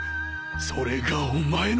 それがお前の！